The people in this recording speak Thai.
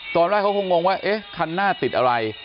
ตอนแรกเค้าคงงงว่านี่คันน่าติดอะไร